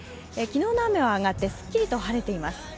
昨日の雨は上がってすっきりと晴れています。